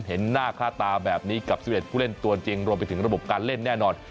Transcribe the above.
เห็นหน้าค่าตาแบบนี้กับ๑๑ผู้เล่นตัวจริงรวมไปถึงระบบการเล่นแน่นอน